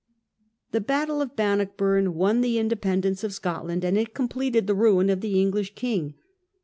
The battle of Bannockburn won the independence of Scotland, and it completed the ruin of the English king.